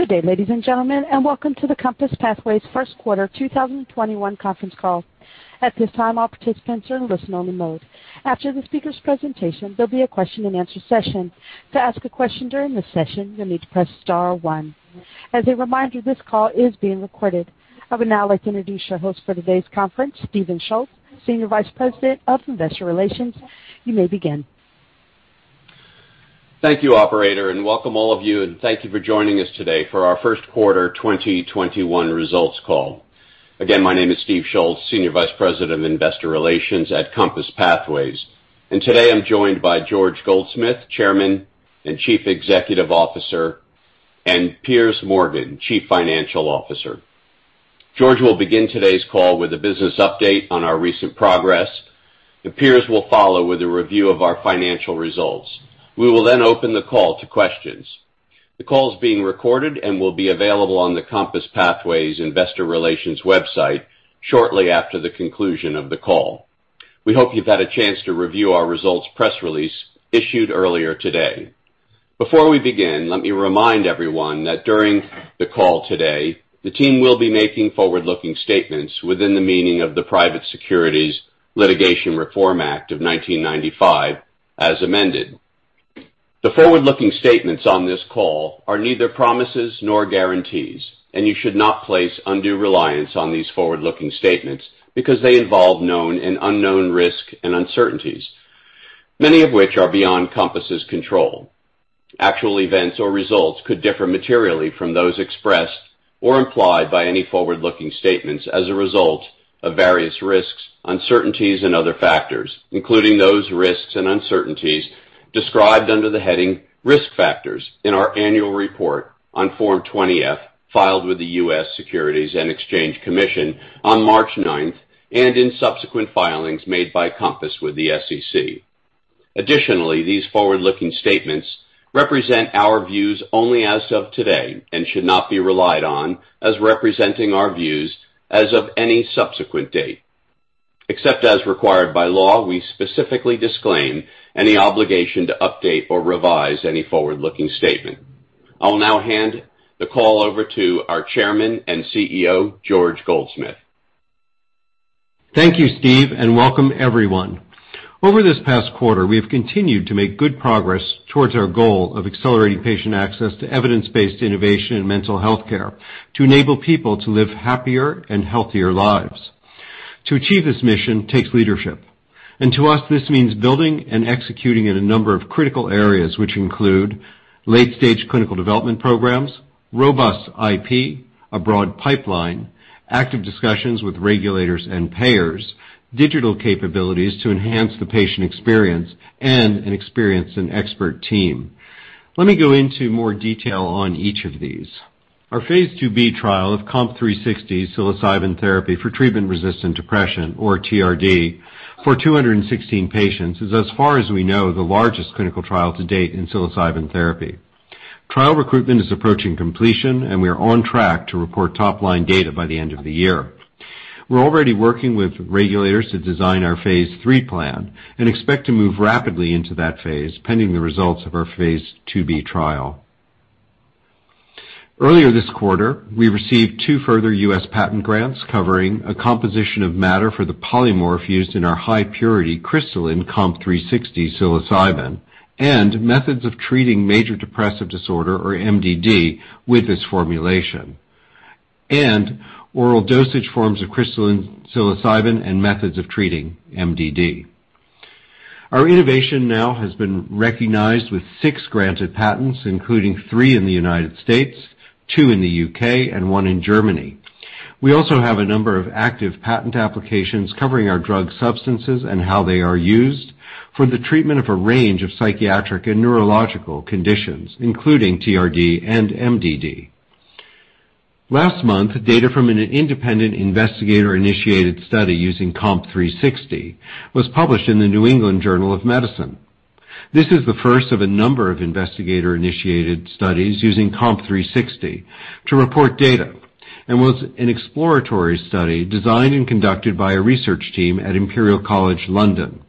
Good day, ladies and gentlemen, and welcome to the COMPASS Pathways first quarter 2021 conference call. I would now like to introduce your host for today's conference, Stephen Schultz, Senior Vice President of Investor Relations. You may begin. Thank you, operator, welcome all of you, and thank you for joining us today for our first quarter 2021 results call. Again, my name is Stephen Schultz, Senior Vice President of Investor Relations at COMPASS Pathways. Today I'm joined by George Goldsmith, Chairman and Chief Executive Officer, and Piers Morgan, Chief Financial Officer. George will begin today's call with a business update on our recent progress, and Piers will follow with a review of our financial results. We will then open the call to questions. The call is being recorded and will be available on the COMPASS Pathways Investor Relations website shortly after the conclusion of the call. We hope you've had a chance to review our results press release issued earlier today. Before we begin, let me remind everyone that during the call today, the team will be making forward-looking statements within the meaning of the Private Securities Litigation Reform Act of 1995 as amended. The forward-looking statements on this call are neither promises nor guarantees, and you should not place undue reliance on these forward-looking statements because they involve known and unknown risk and uncertainties, many of which are beyond COMPASS's control. Actual events or results could differ materially from those expressed or implied by any forward-looking statements as a result of various risks, uncertainties, and other factors, including those risks and uncertainties described under the heading Risk Factors in our annual report on Form 20-F filed with the U.S. Securities and Exchange Commission on March 9th, and in subsequent filings made by COMPASS with the SEC. Additionally, these forward-looking statements represent our views only as of today and should not be relied on as representing our views as of any subsequent date. Except as required by law, we specifically disclaim any obligation to update or revise any forward-looking statement. I'll now hand the call over to our Chairman and CEO, George Goldsmith. Thank you, Steve, and welcome everyone. Over this past quarter, we have continued to make good progress towards our goal of accelerating patient access to evidence-based innovation in mental health care to enable people to live happier and healthier lives. To achieve this mission takes leadership, and to us this means building and executing in a number of critical areas, which include late-stage clinical development programs, robust IP, a broad pipeline, active discussions with regulators and payers, digital capabilities to enhance the patient experience, and an experienced and expert team. Let me go into more detail on each of these. Our phase II-B trial of COMP360 psilocybin therapy for treatment-resistant depression or TRD for 216 patients is as far as we know, the largest clinical trial to date in psilocybin therapy. Trial recruitment is approaching completion, and we are on track to report top-line data by the end of the year. We're already working with regulators to design our phase III plan and expect to move rapidly into that phase pending the results of our phase II-B trial. Earlier this quarter, we received two further U.S. patent grants covering a composition of matter for the polymorph used in our high purity crystalline COMP360 psilocybin and methods of treating major depressive disorder, or MDD, with this formulation, and oral dosage forms of crystalline psilocybin and methods of treating MDD. Our innovation now has been recognized with six granted patents, including three in the United States, two in the U.K., and one in Germany. We also have a number of active patent applications covering our drug substances and how they are used for the treatment of a range of psychiatric and neurological conditions, including TRD and MDD. Last month, data from an independent investigator-initiated study using COMP360 was published in The New England Journal of Medicine. This is the first of a number of investigator-initiated studies using COMP360 to report data and was an exploratory study designed and conducted by a research team at Imperial College London.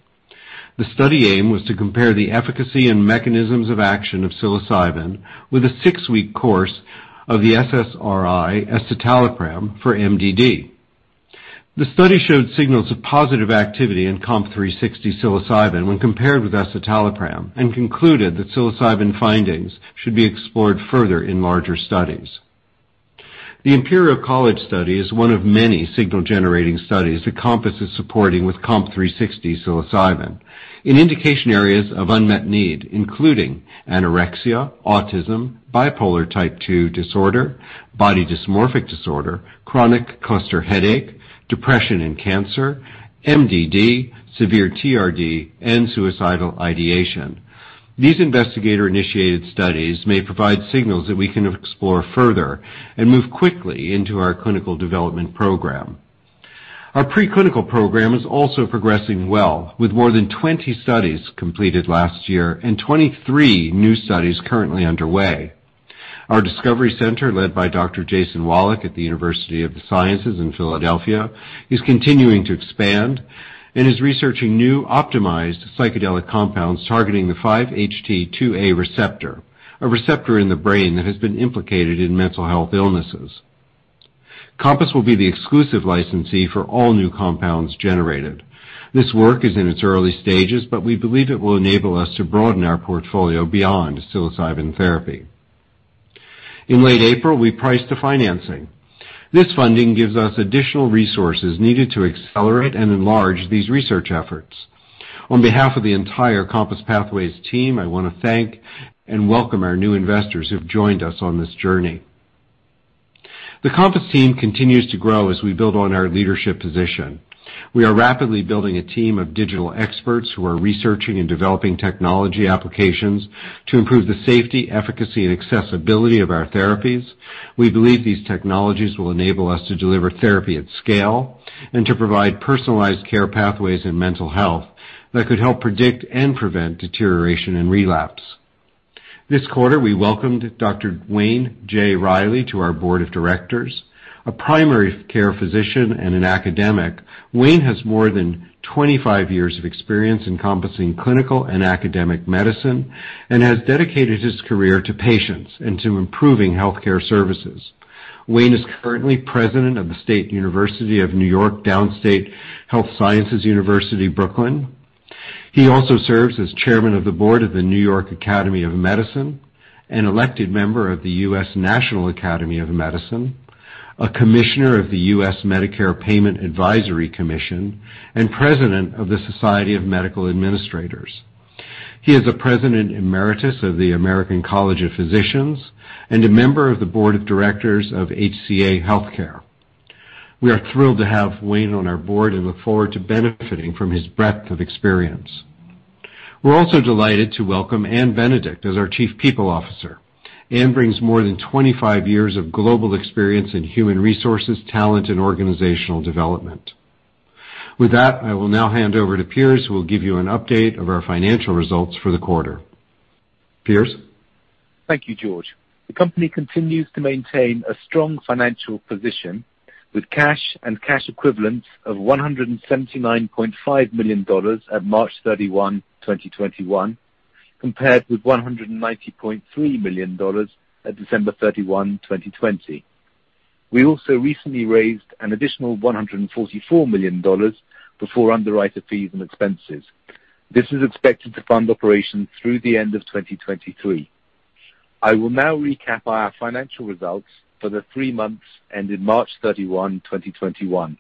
The study aim was to compare the efficacy and mechanisms of action of psilocybin with a six-week course of the SSRI escitalopram for MDD. The study showed signals of positive activity in COMP360 psilocybin when compared with escitalopram, and concluded that psilocybin findings should be explored further in larger studies. The Imperial College London study is one of many signal-generating studies that COMPASS Pathways is supporting with COMP360 psilocybin in indication areas of unmet need, including anorexia, autism, bipolar type II disorder, body dysmorphic disorder, chronic cluster headache, depression and cancer, MDD, severe TRD, and suicidal ideation. These investigator-initiated studies may provide signals that we can explore further and move quickly into our clinical development program. Our pre-clinical program is also progressing well with more than 20 studies completed last year and 23 new studies currently underway. Our discovery center, led by Dr. Jason Wallach at the University of the Sciences in Philadelphia, is continuing to expand and is researching new optimized psychedelic compounds targeting the 5-HT2A receptor, a receptor in the brain that has been implicated in mental health illnesses. COMPASS Pathways will be the exclusive licensee for all new compounds generated. This work is in its early stages, but we believe it will enable us to broaden our portfolio beyond psilocybin therapy. In late April, we priced a financing. This funding gives us additional resources needed to accelerate and enlarge these research efforts. On behalf of the entire COMPASS Pathways team, I want to thank and welcome our new investors who've joined us on this journey. The COMPASS team continues to grow as we build on our leadership position. We are rapidly building a team of digital experts who are researching and developing technology applications to improve the safety, efficacy, and accessibility of our therapies. We believe these technologies will enable us to deliver therapy at scale and to provide personalized care pathways in mental health that could help predict and prevent deterioration and relapse. This quarter, we welcomed Dr. Wayne J. Riley to our board of directors. A primary care physician and an academic, Wayne has more than 25 years of experience encompassing clinical and academic medicine, and has dedicated his career to patients and to improving healthcare services. Wayne is currently president of the State University of New York Downstate Health Sciences University, Brooklyn. He also serves as chairman of the board of the New York Academy of Medicine, an elected member of the U.S. National Academy of Medicine, a commissioner of the U.S. Medicare Payment Advisory Commission, and president of the Society of Medical Administrators. He is the President Emeritus of the American College of Physicians and a member of the board of directors of HCA Healthcare. We are thrilled to have Wayne on our board and look forward to benefiting from his breadth of experience. We are also delighted to welcome Anne Benedict as our Chief People Officer. Anne brings more than 25 years of global experience in human resources, talent, and organizational development. With that, I will now hand over to Piers, who will give you an update of our financial results for the quarter. Piers? Thank you, George. The company continues to maintain a strong financial position with cash and cash equivalents of GBP 179.5 million at March 31, 2021, compared with GBP 190.3 million at December 31, 2020. We also recently raised an additional GBP 144 million before underwriter fees and expenses. This is expected to fund operations through the end of 2023. I will now recap our financial results for the three months ended March 31, 2021.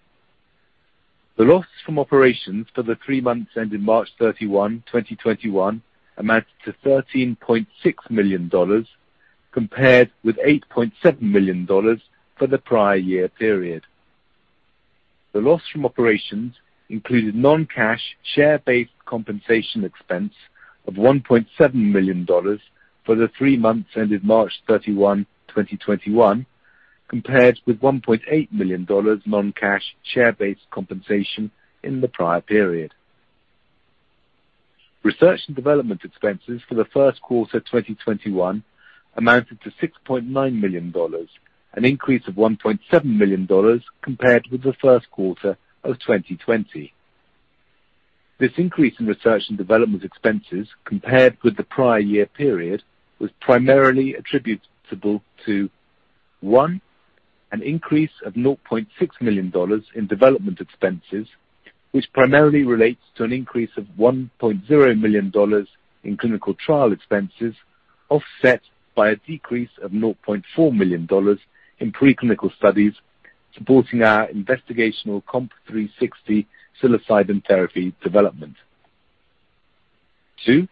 The loss from operations for the three months ended March 31, 2021, amounted to GBP 13.6 million compared with GBP 8.7 million for the prior year period. The loss from operations included non-cash share-based compensation expense of GBP 1.7 million for the three months ended March 31, 2021, compared with GBP 1.8 million non-cash share-based compensation in the prior period. Research and development expenses for the first quarter 2021 amounted to $6.9 million, an increase of $1.7 million compared with the first quarter of 2020. This increase in research and development expenses compared with the prior year period was primarily attributable to, one, an increase of $0.6 million in development expenses, which primarily relates to an increase of $1.0 million in clinical trial expenses, offset by a decrease of $0.4 million in preclinical studies supporting our investigational COMP360 psilocybin therapy development. Two,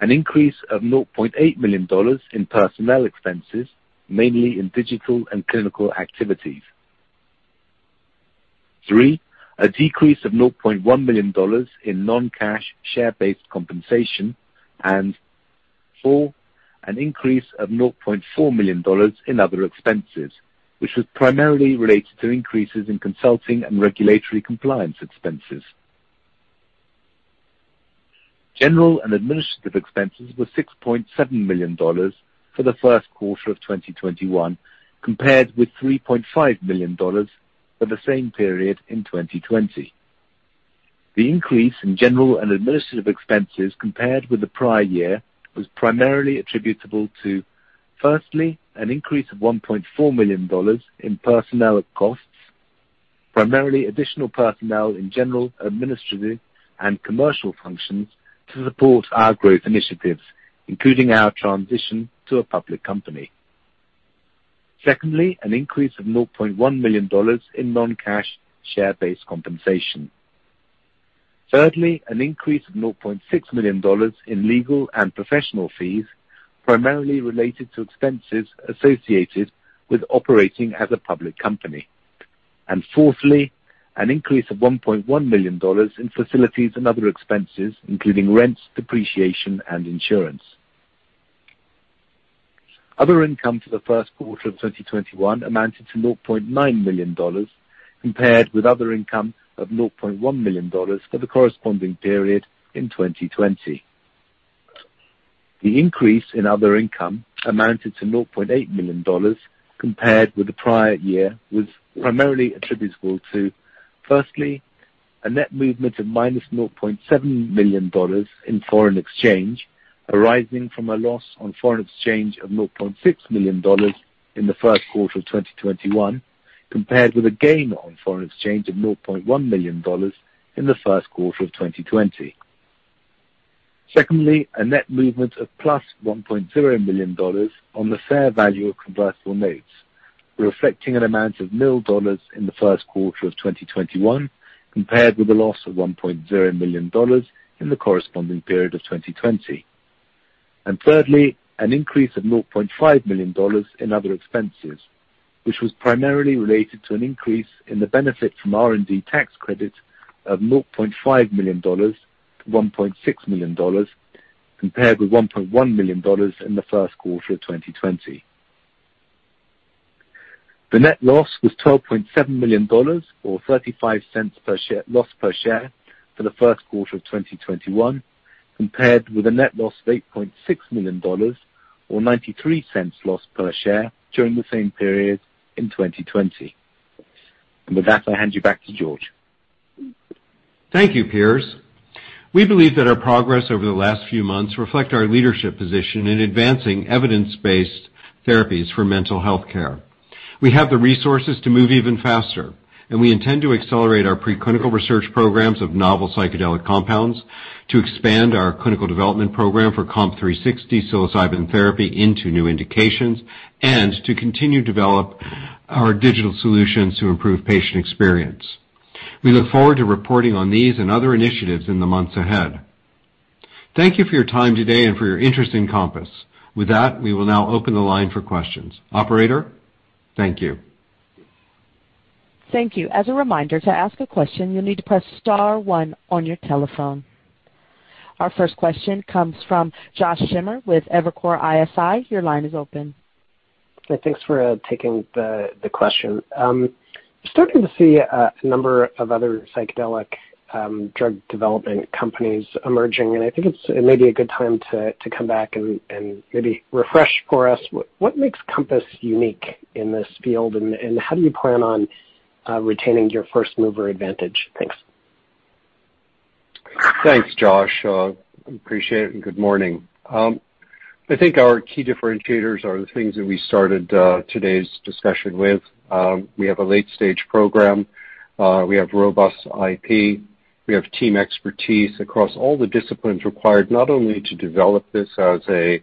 an increase of $0.8 million in personnel expenses, mainly in digital and clinical activities. Three, a decrease of $0.1 million in non-cash share-based compensation. Four, an increase of $0.4 million in other expenses, which was primarily related to increases in consulting and regulatory compliance expenses. General and administrative expenses were GBP 6.7 million for the first quarter of 2021, compared with GBP 3.5 million for the same period in 2020. The increase in general and administrative expenses compared with the prior year was primarily attributable to, firstly, an increase of GBP 1.4 million in personnel costs, primarily additional personnel in general, administrative, and commercial functions to support our growth initiatives, including our transition to a public company. Secondly, an increase of GBP 0.1 million in non-cash share-based compensation. Thirdly, an increase of GBP 0.6 million in legal and professional fees, primarily related to expenses associated with operating as a public company. Fourthly, an increase of GBP 1.1 million in facilities and other expenses, including rents, depreciation, and insurance. Other income for the first quarter of 2021 amounted to GBP 0.9 million compared with other income of GBP 0.1 million for the corresponding period in 2020. The increase in other income amounted to $0.8 million compared with the prior year was primarily attributable to, firstly, a net movement of -$0.7 million in foreign exchange, arising from a loss on foreign exchange of $0.6 million in the first quarter of 2021, compared with a gain on foreign exchange of $0.1 million in the first quarter of 2020. Secondly, a net movement of +$1.0 million on the fair value of convertible notes, reflecting an amount of mil dollars in the first quarter of 2021, compared with a loss of $1.0 million in the corresponding period of 2020. Thirdly, an increase of $0.5 million in other expenses, which was primarily related to an increase in the benefit from R&D tax credits of $0.5 million to $1.6 million, compared with $1.1 million in the first quarter of 2020. The net loss was GBP 12.7 million or 0.35 loss per share for the first quarter of 2021, compared with a net loss of GBP 8.6 million or 0.93 loss per share during the same period in 2020. With that, I hand you back to George. Thank you, Piers. We believe that our progress over the last few months reflect our leadership position in advancing evidence-based therapies for mental health care. We have the resources to move even faster, and we intend to accelerate our preclinical research programs of novel psychedelic compounds, to expand our clinical development program for COMP360 psilocybin therapy into new indications, and to continue to develop our digital solutions to improve patient experience. We look forward to reporting on these and other initiatives in the months ahead. Thank you for your time today and for your interest in COMPASS. With that, we will now open the line for questions. Operator, thank you. Thank you. As a reminder, to ask a question, you will need to press star one on your telephone. Our first question comes from Josh Schimmer with Evercore ISI. Your line is open. Okay, thanks for taking the question. I'm starting to see a number of other psychedelic drug development companies emerging, and I think it may be a good time to come back and maybe refresh for us what makes COMPASS unique in this field, and how do you plan on retaining your first-mover advantage? Thanks. Thanks, Josh. Appreciate it, and good morning. I think our key differentiators are the things that we started today's discussion with. We have a late-stage program. We have robust IP. We have team expertise across all the disciplines required, not only to develop this as a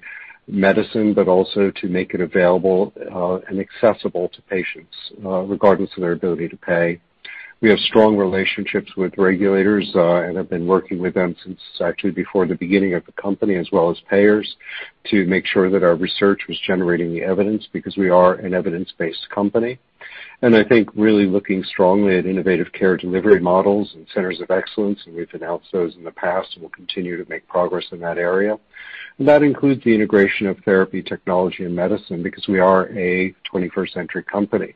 medicine, but also to make it available and accessible to patients, regardless of their ability to pay. We have strong relationships with regulators, and have been working with them since actually before the beginning of the company, as well as payers, to make sure that our research was generating the evidence because we are an evidence-based company. I think really looking strongly at innovative care delivery models and centers of excellence, and we've announced those in the past, and we'll continue to make progress in that area. That includes the integration of therapy technology and medicine because we are a 21st century company.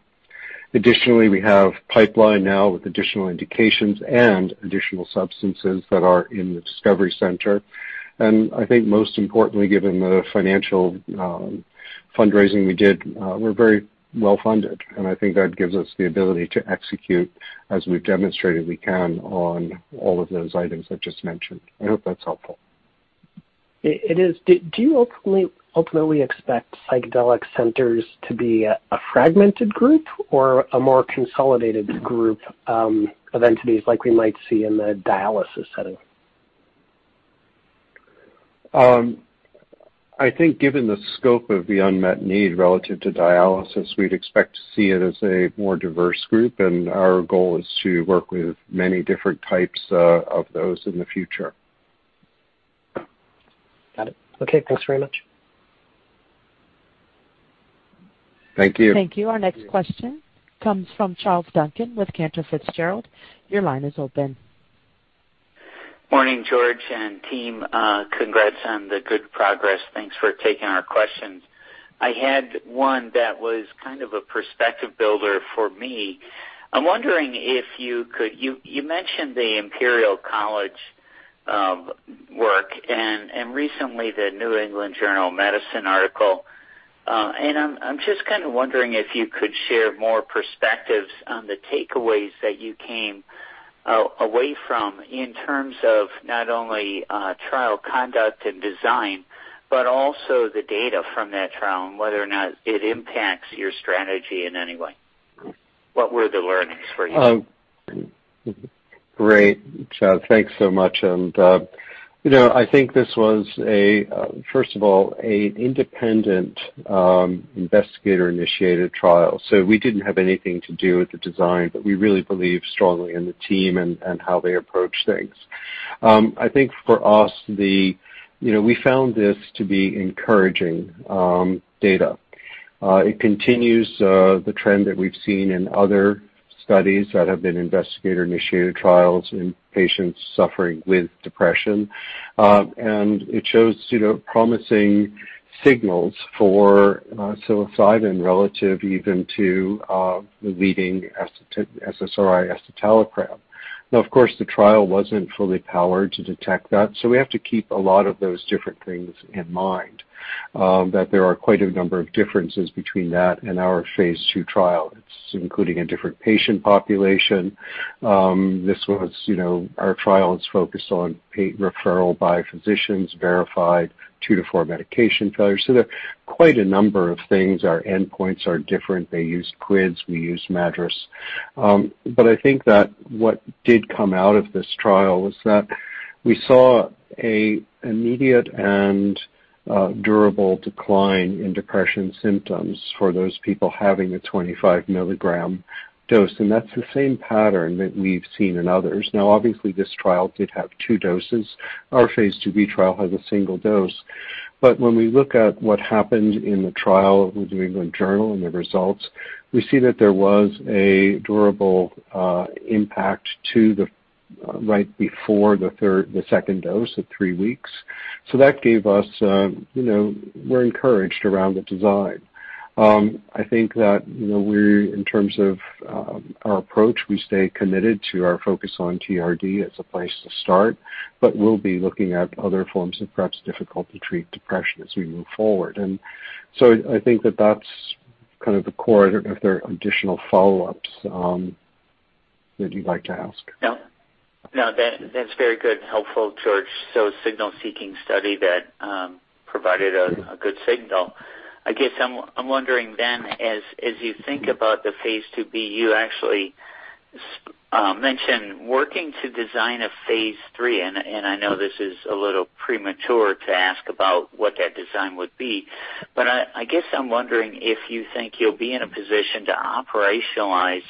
Additionally, we have pipeline now with additional indications and additional substances that are in the discovery center. I think most importantly, given the financial fundraising we did, we're very well funded, and I think that gives us the ability to execute as we've demonstrated we can on all of those items I just mentioned. I hope that's helpful. It is. Do you ultimately expect psychedelic centers to be a fragmented group or a more consolidated group of entities like we might see in the dialysis setting? I think given the scope of the unmet need relative to dialysis, we'd expect to see it as a more diverse group, and our goal is to work with many different types of those in the future. Got it. Okay, thanks very much. Thank you. Thank you. Our next question comes from Charles Duncan with Cantor Fitzgerald. Your line is open. Morning, George and team. Congrats on the good progress. Thanks for taking our questions. I had one that was kind of a perspective builder for me. I'm wondering You mentioned the Imperial College London work and recently The New England Journal of Medicine article. I'm just kind of wondering if you could share more perspectives on the takeaways that you came away from in terms of not only trial conduct and design, but also the data from that trial and whether or not it impacts your strategy in any way. What were the learnings for you? Great, Charles. Thanks so much. I think this was, first of all, an independent investigator-initiated trial. We didn't have anything to do with the design, but we really believe strongly in the team and how they approach things. I think for us, we found this to be encouraging data. It continues the trend that we've seen in other studies that have been investigator-initiated trials in patients suffering with depression. It shows promising signals for psilocybin relative even to the leading SSRI escitalopram. Now, of course, the trial wasn't fully powered to detect that, so we have to keep a lot of those different things in mind, that there are quite a number of differences between that and our phase II trial. It's including a different patient population. Our trial is focused on patient referral by physicians, verified two to four medication failures. There are quite a number of things. Our endpoints are different. They used QIDS, we used MADRS. I think that what did come out of this trial was that we saw an immediate and durable decline in depression symptoms for those people having a 25 milligram dose. That's the same pattern that we've seen in others. Now, obviously, this trial did have two doses. Our phase II-B trial has a single dose. When we look at what happened in the trial with the New England Journal and the results, we see that there was a durable impact right before the second dose at weeks. We're encouraged around the design. I think that in terms of our approach, we stay committed to our focus on TRD as a place to start, but we'll be looking at other forms of perhaps difficult-to-treat depression as we move forward. I think that that's kind of the core. Are there additional follow-ups that you'd like to ask? That's very good and helpful, George. Signal-seeking study that provided a good signal. I guess I'm wondering then, as you think about the phase II-B, you actually mentioned working to design a phase III, and I know this is a little premature to ask about what that design would be, but I guess I'm wondering if you think you'll be in a position to operationalize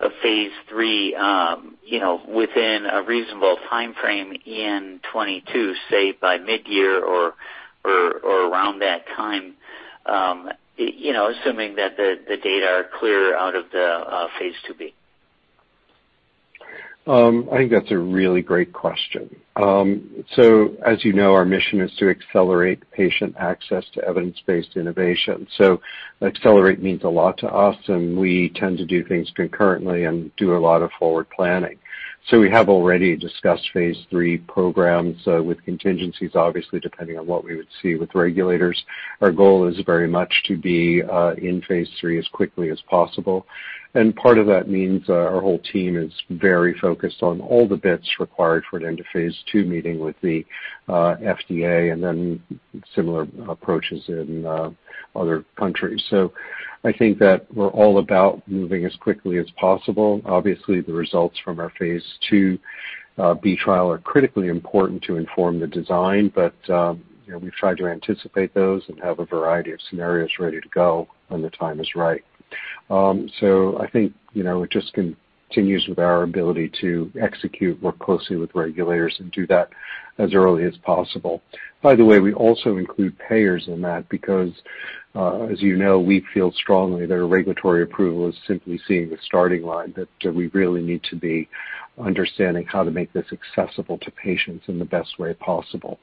a phase III within a reasonable timeframe in 2022, say by mid-year or around that time, assuming that the data are clear out of the phase II-B. I think that's a really great question. As you know, our mission is to accelerate patient access to evidence-based innovation. Accelerate means a lot to us, and we tend to do things concurrently and do a lot of forward planning. We have already discussed phase III programs with contingencies, obviously, depending on what we would see with regulators. Our goal is very much to be in phase III as quickly as possible. Part of that means our whole team is very focused on all the bits required for an end-of-phase II meeting with the FDA, and then similar approaches in other countries. I think that we're all about moving as quickly as possible. Obviously, the results from our phase II-B trial are critically important to inform the design. We've tried to anticipate those and have a variety of scenarios ready to go when the time is right. I think it just continues with our ability to execute, work closely with regulators, and do that as early as possible. By the way, we also include payers in that because as you know, we feel strongly that a regulatory approval is simply seeing the starting line, that we really need to be understanding how to make this accessible to patients in the best way possible.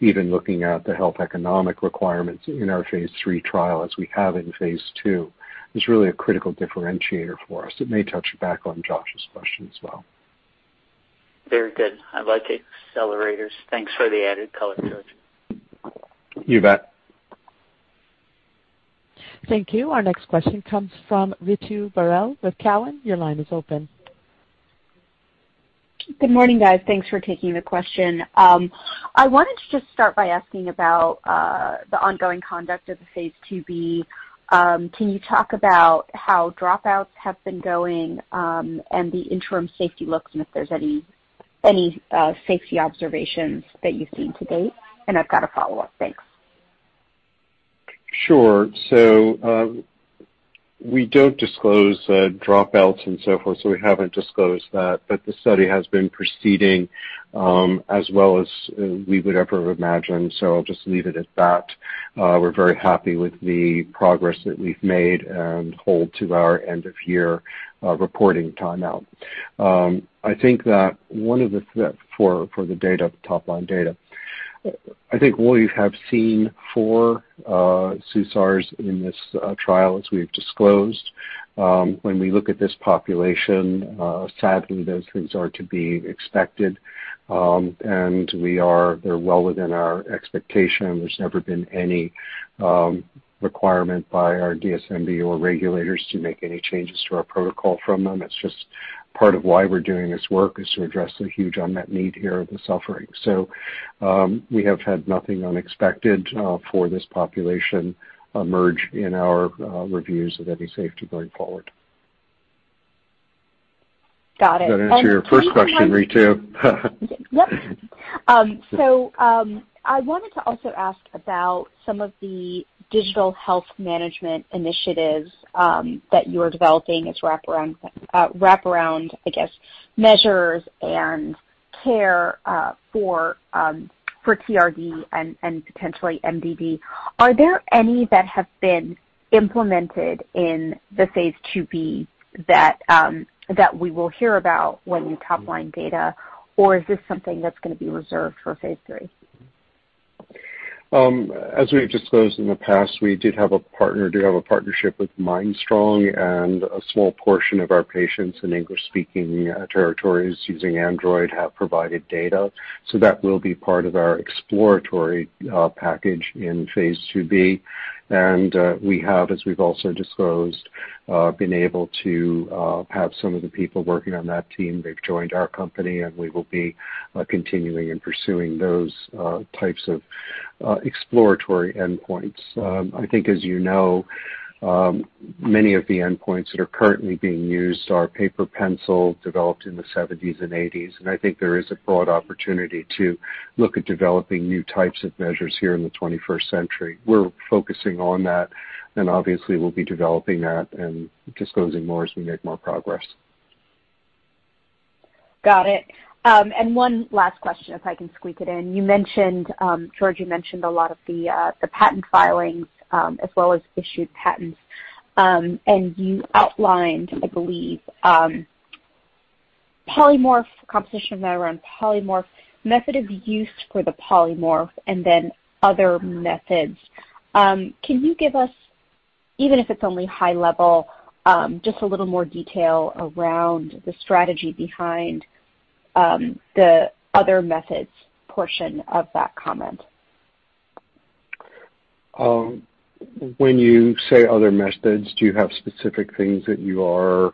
Even looking at the health economic requirements in our phase III trial as we have in phase II is really a critical differentiator for us. It may touch back on Josh's question as well. Very good. I like it. Accelerators. Thanks for the added color, George. You bet. Thank you. Our next question comes from Ritu Baral with Cowen. Your line is open. Good morning, guys. Thanks for taking the question. I wanted to just start by asking about the ongoing conduct of the phase II-B. Can you talk about how dropouts have been going and the interim safety looks and if there's any safety observations that you've seen to date? I've got a follow-up. Thanks. Sure. We don't disclose dropouts and so forth, so we haven't disclosed that, but the study has been proceeding as well as we would ever imagine. I'll just leave it at that. We're very happy with the progress that we've made and hold to our end-of-year reporting timeout. For the top-line data, I think we have seen four SUSARs in this trial as we've disclosed. When we look at this population, sadly, those things are to be expected. They're well within our expectation. There's never been any requirement by our DSMB or regulators to make any changes to our protocol from them. It's just part of why we're doing this work is to address the huge unmet need here of the suffering. We have had nothing unexpected for this population emerge in our reviews of any safety going forward. Got it. Does that answer your first question, Ritu? Yep. I wanted to also ask about some of the digital health management initiatives that you're developing as wraparound measures and care for TRD and potentially MDD. Are there any that have been implemented in the phase II-B that we will hear about when you top-line data? Or is this something that's going to be reserved for phase III? As we've disclosed in the past, we did have a partnership with Mindstrong and a small portion of our patients in English-speaking territories using Android have provided data. That will be part of our exploratory package in phase IIb. We have, as we've also disclosed, been able to have some of the people working on that team. They've joined our company, and we will be continuing and pursuing those types of exploratory endpoints. I think, as you know, many of the endpoints that are currently being used are paper/pencil, developed in the '70s and '80s, and I think there is a broad opportunity to look at developing new types of measures here in the 21st century. We're focusing on that, and obviously, we'll be developing that and disclosing more as we make more progress. Got it. One last question, if I can squeak it in. George, you mentioned a lot of the patent filings as well as issued patents. You outlined, I believe, composition of matter on polymorph, method of use for the polymorph, and then other methods. Can you give us, even if it's only high level, just a little more detail around the strategy behind the other methods portion of that comment? When you say other methods, do you have specific things that you are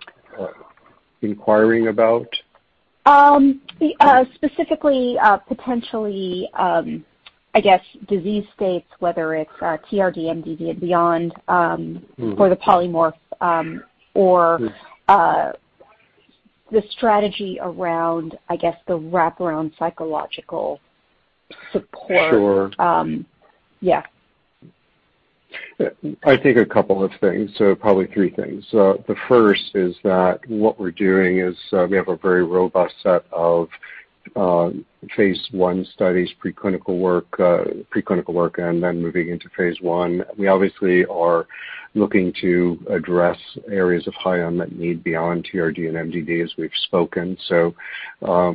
inquiring about? Specifically, potentially, I guess disease states, whether it's TRD, MDD, and beyond for the polymorph or the strategy around, I guess, the wraparound psychological support. Sure. Yeah. I think a couple of things, so probably three things. The first is that what we're doing is we have a very robust set of phase I studies, preclinical work, and then moving into phase I. We obviously are looking to address areas of high unmet need beyond TRD and MDD, as we've spoken.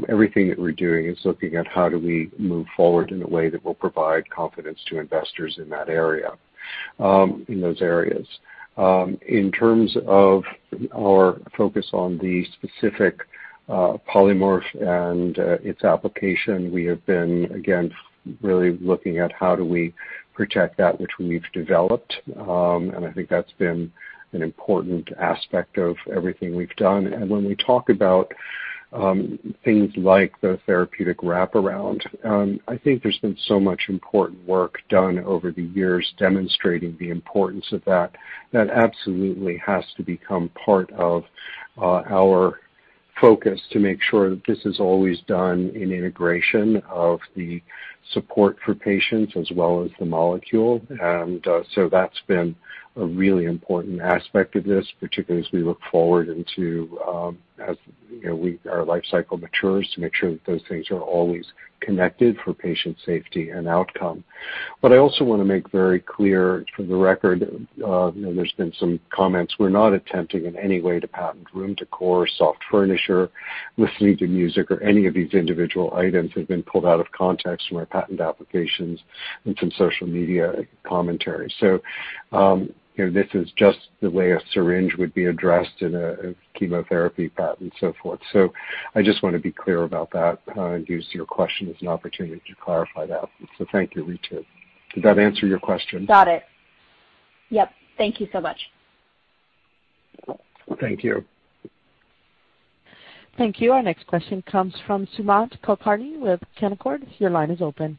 Everything that we're doing is looking at how do we move forward in a way that will provide confidence to investors in those areas. In terms of our focus on the specific polymorph and its application, we have been, again, really looking at how do we protect that which we've developed, and I think that's been an important aspect of everything we've done. When we talk about things like the therapeutic wraparound, I think there's been so much important work done over the years demonstrating the importance of that. That absolutely has to become part of our focus to make sure that this is always done in integration of the support for patients as well as the molecule. That's been a really important aspect of this, particularly as our life cycle matures, to make sure that those things are always connected for patient safety and outcome. I also want to make very clear for the record, there's been some comments. We're not attempting in any way to patent room décor, soft furniture, listening to music, or any of these individual items that have been pulled out of context from our patent applications and some social media commentary. This is just the way a syringe would be addressed in a chemotherapy patent, so forth. I just want to be clear about that and use your question as an opportunity to clarify that. Thank you, Ritu. Does that answer your question? Got it. Yep. Thank you so much. Thank you. Thank you. Our next question comes from Sumant Kulkarni with Canaccord. Your line is open.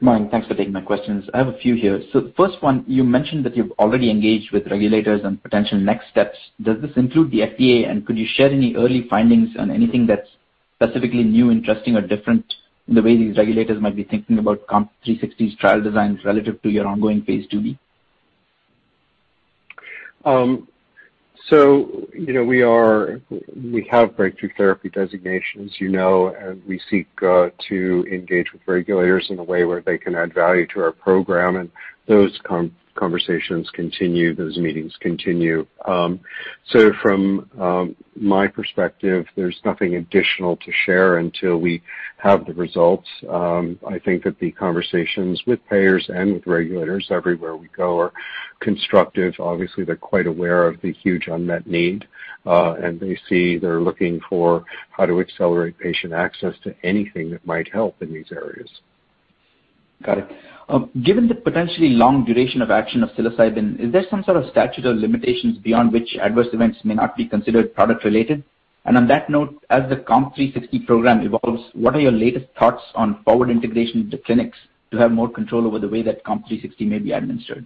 Morning. Thanks for taking my questions. I have a few here. First one, you mentioned that you've already engaged with regulators on potential next steps. Does this include the FDA, and could you share any early findings on anything that's specifically new, interesting, or different in the way these regulators might be thinking about COMP360's trial designs relative to your ongoing phase II-B? We have breakthrough therapy designations as you know, and we seek to engage with regulators in a way where they can add value to our program, and those conversations continue, those meetings continue. From my perspective, there's nothing additional to share until we have the results. I think that the conversations with payers and with regulators everywhere we go are constructive. Obviously, they're quite aware of the huge unmet need. They're looking for how to accelerate patient access to anything that might help in these areas. Got it. Given the potentially long duration of action of psilocybin, is there some sort of statute of limitations beyond which adverse events may not be considered product related? On that note, as the COMP360 program evolves, what are your latest thoughts on forward integration into clinics to have more control over the way that COMP360 may be administered?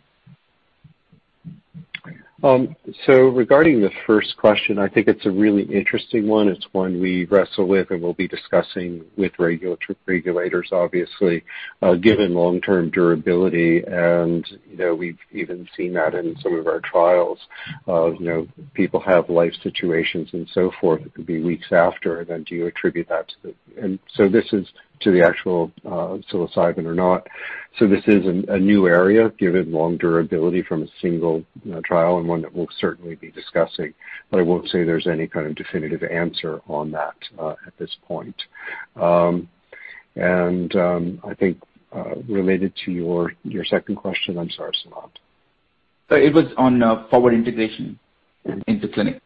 Regarding the first question, I think it's a really interesting one. It's one we wrestle with and will be discussing with regulators, obviously given long-term durability, and we've even seen that in some of our trials of people have life situations and so forth. It could be weeks after, then do you attribute that to the actual psilocybin or not? This is a new area given long durability from a single trial and one that we'll certainly be discussing. I won't say there's any kind of definitive answer on that at this point. I think related to your second question, I'm sorry, Sumant. It was on forward integration into clinic.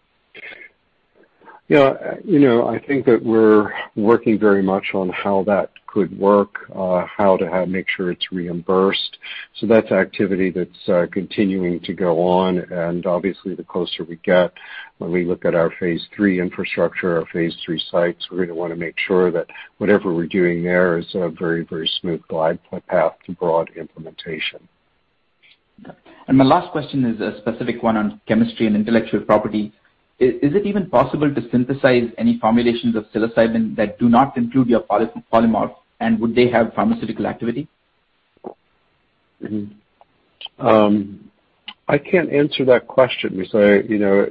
I think that we're working very much on how that could work, how to make sure it's reimbursed. That's activity that's continuing to go on. Obviously the closer we get, when we look at our phase III infrastructure, our phase III sites, we're going to want to make sure that whatever we're doing there is a very smooth glide path to broad implementation. My last question is a specific one on chemistry and intellectual property. Is it even possible to synthesize any formulations of psilocybin that do not include your polymorph, and would they have pharmaceutical activity? I can't answer that question because,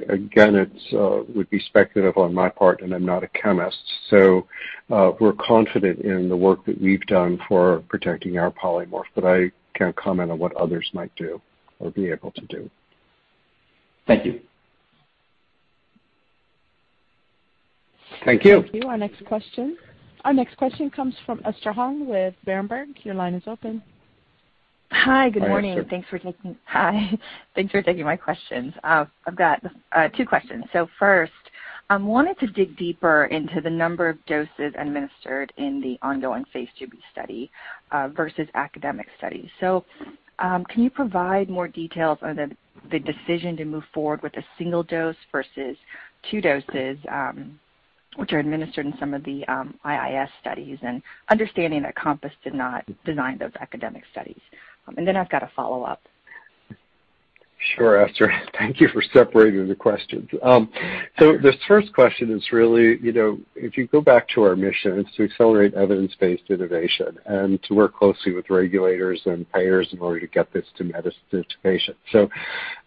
again, it would be speculative on my part, and I'm not a chemist. We're confident in the work that we've done for protecting our polymorph, but I can't comment on what others might do or be able to do. Thank you. Thank you. Thank you. Our next question comes from Esther Hong with Berenberg. Your line is open. Hi. Good morning. Hi, Esther. Thanks for taking my questions. I've got two questions. First, I wanted to dig deeper into the number of doses administered in the ongoing phase II-B study versus academic studies. Can you provide more details on the decision to move forward with a single dose versus two doses, which are administered in some of the IIS studies and understanding that COMPASS did not design those academic studies? Then I've got a follow-up. Sure, Esther. Thank you for separating the questions. The first question is really, if you go back to our mission, it's to accelerate evidence-based innovation and to work closely with regulators and payers in order to get this to patients.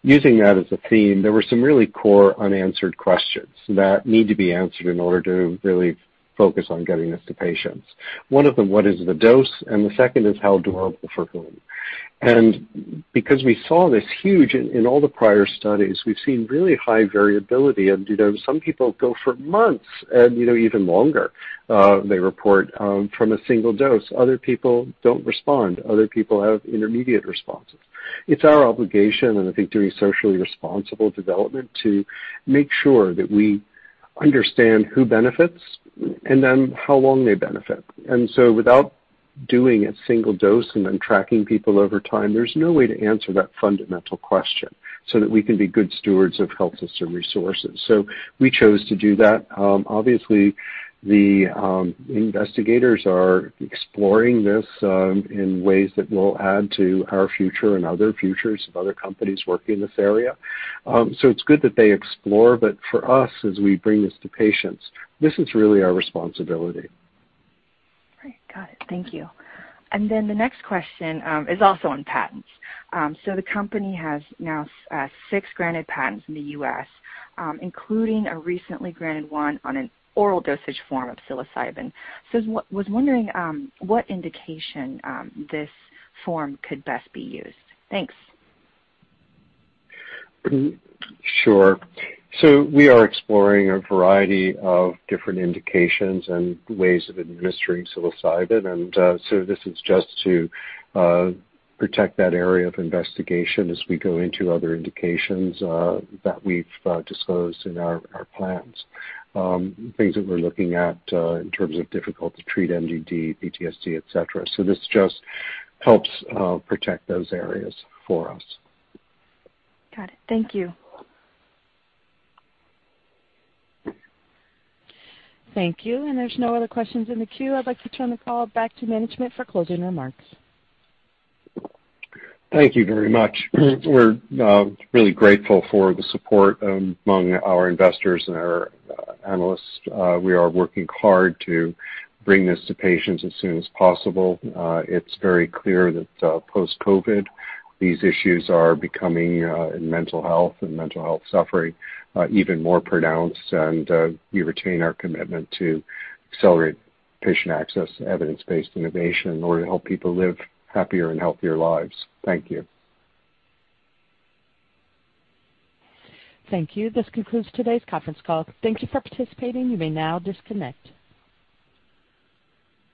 Using that as a theme, there were some really core unanswered questions that need to be answered in order to really focus on getting this to patients. One of them, what is the dose? The second is how durable for whom? Because we saw this huge in all the prior studies, we've seen really high variability of some people go for months and even longer, they report from a single dose. Other people don't respond. Other people have intermediate responses. It's our obligation, and I think doing socially responsible development to make sure that we understand who benefits and then how long they benefit. Without doing a single dose and then tracking people over time, there's no way to answer that fundamental question so that we can be good stewards of health system resources. We chose to do that. Obviously, the investigators are exploring this in ways that will add to our future and other futures of other companies working in this area. It's good that they explore, but for us, as we bring this to patients, this is really our responsibility. Great. Got it. Thank you. The next question is also on patents. The company has now six granted patents in the U.S., including a recently granted one on an oral dosage form of psilocybin. I was wondering what indication this form could best be used. Thanks. Sure. We are exploring a variety of different indications and ways of administering psilocybin. This is just to protect that area of investigation as we go into other indications that we've disclosed in our plans. Things that we're looking at in terms of difficult to treat MDD, PTSD, et cetera. This just helps protect those areas for us. Got it. Thank you. Thank you. There's no other questions in the queue. I'd like to turn the call back to management for closing remarks. Thank you very much. We're really grateful for the support among our investors and our analysts. We are working hard to bring this to patients as soon as possible. It's very clear that post-COVID, these issues are becoming, in mental health and mental health suffering, even more pronounced. We retain our commitment to accelerate patient access to evidence-based innovation in order to help people live happier and healthier lives. Thank you. Thank you. This concludes today's conference call. Thank you for participating. You may now disconnect.